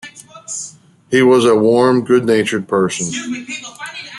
He was a warm, good-natured person.